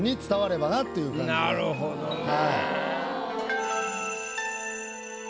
なるほどね。